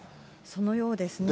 そのようですね。